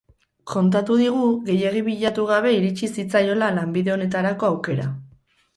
Kontatu digu gehiegi bilatu gabe iritsi zitzaiola lanbide honetarako aukera.